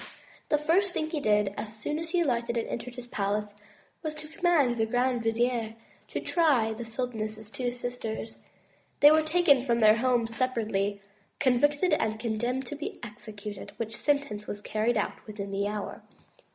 The first thing he did as soon as he alighted and entered his palace, was to command the grand vizier to try the sultaness's two sisters. They were taken from their homes separately, convicted, and condemned to be executed; which sentence was carried out within the hour.